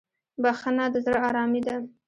بخښنه د زړه ارامي ده.